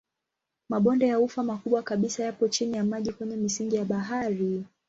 Mabonde ya ufa makubwa kabisa yapo chini ya maji kwenye misingi ya bahari.